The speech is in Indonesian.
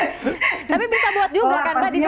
tapi bisa buat juga kan mbak di sana